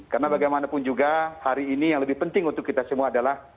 karena bagaimanapun juga hari ini yang lebih penting untuk kita semua adalah